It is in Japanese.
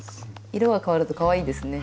色がかわるとかわいいですね。